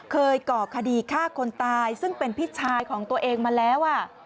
เคยเกาะคดีฆ่าคนตายซึ่งเป็นพิจารณ์ของตัวเองมาแล้ว